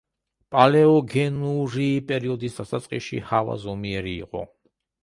პალეოგენური პერიოდის დასაწყისში ჰავა ზომიერი იყო.